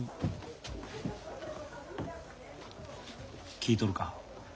聞いとるか？